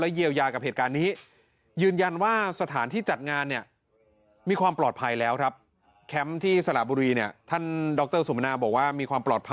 และเยียวยากับเหตุการณ์นี้